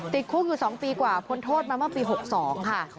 ติดคุกอยู่๒ปีกว่าพ้นโทษมาเมื่อปี๖๒ค่ะ